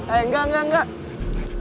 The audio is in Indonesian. eh enggak enggak enggak